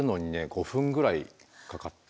５分ぐらいかかって。